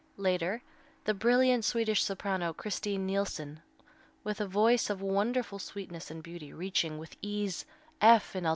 Later, the brilliant Swedish soprano, Christine Nilsson, with a voice of wonderful sweetness and beauty, reaching with ease F in alt.